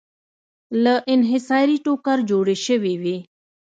له انحصاري ټوکر جوړې شوې وې.